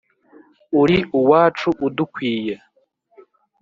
uri uwacu udukwiye,